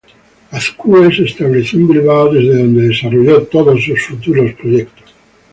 Azkue se estableció en Bilbao, desde donde desarrolló todos sus futuros proyectos.